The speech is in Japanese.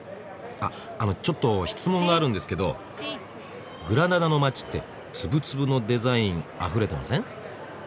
あのちょっと質問があるんですけどグラナダの街ってツブツブのデザインあふれてません？